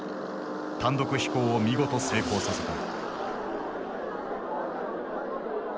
単独飛行を見事成功させた。